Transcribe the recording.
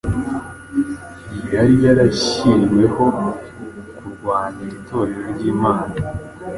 Yari yarashyiriweho kurwanirira Itorero ryimana.